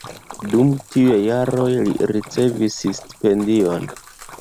Dum tiuj jaroj li ricevis stipendion.